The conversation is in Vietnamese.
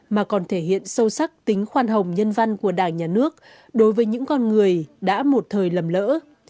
mà còn thể hiện sâu sắc tính khoan hồng nhân văn của đảng nhà nước đối với những con người đã một thời lầm lỡ